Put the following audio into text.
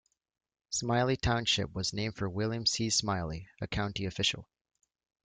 Smiley Township was named for William C. Smiley, a county official.